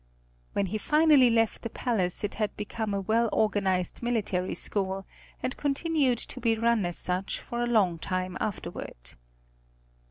When he finally left the palace it had become a well organized military school, and continued to be run as such for a long time afterward.